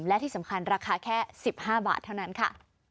และที่สำคัญราคาแค่๑๕บาทเท่านั้นค่ะ